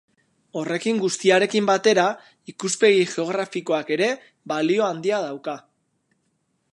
Horrekin guztiarekin batera, ikuspegi geografikoak ere balio handia dauka.